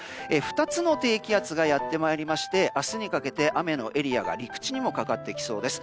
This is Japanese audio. ２つの低気圧がやってまいりまして明日にかけて雨のエリアが陸地にもかかってきそうです。